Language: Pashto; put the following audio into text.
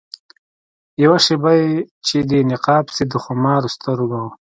یوه شېبه چي دي نقاب سي د خمارو سترګو